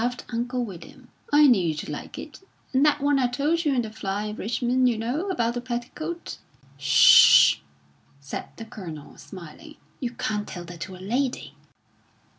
laughed Uncle William, "I knew you'd like it. And that one I told you in the fly, Richmond you know, about the petticoat." "Sh sh!" said the Colonel, smiling. "You can't tell that to a lady."